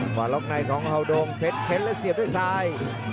กว่าล็อกในของเฮาโดงเฟ็ดเฟ็ดแล้วเสียบด้วยซ้าย